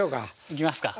いきますか。